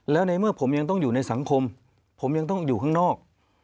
แล้วในเมื่อผมยังต้องอยู่ในสังคมผมยังต้องอยู่ข้างนอก